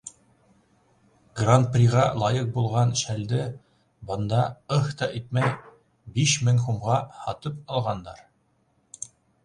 Гран-приға лайыҡ булған шәлде бында «ыһ» та итмәй биш мең һумға һатып алғандар.